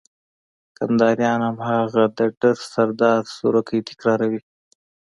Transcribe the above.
کنداريان هماغه د ډر سردار سروکی تکراروي.